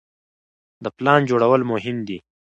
د پلان جوړول مهم دي.